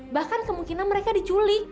bahkan kemungkinan mereka diculik